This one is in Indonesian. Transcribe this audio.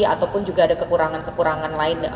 ataupun juga ada kekurangan kekurangan lain